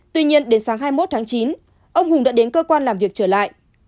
tuy nhiên đến sáng hai mươi một tháng chín ông hùng đã đến cơ quan làm việc trở lại